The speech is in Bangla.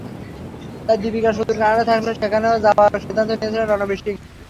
তাই দীপিকা সুদূর কানাডায় থাকলেও সেখানেই যাওয়ার সিদ্ধান্ত নিয়েছিলেন রণবীর সিং।